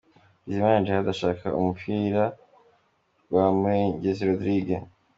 Bizimana Djihad ashaka umupira kwa Murengezi Rodrigue.